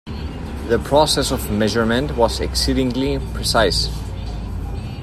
The process of measurement was exceedingly precise.